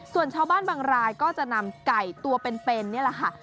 ส่วนชาวบ้านบางรายก็จะนำไก่ตัวเป็นนี่แหละค่ะ